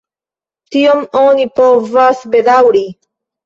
Tion oni povas bedaŭri.